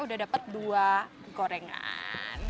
udah dapat dua gorengan